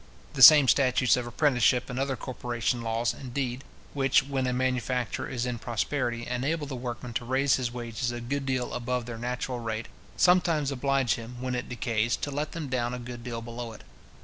The same statutes of apprenticeship and other corporation laws, indeed, which, when a manufacture is in prosperity, enable the workman to raise his wages a good deal above their natural rate, sometimes oblige him, when it decays, to let them down a good deal below it.